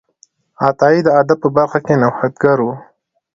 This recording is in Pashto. عطایي د ادب په برخه کې نوښتګر و.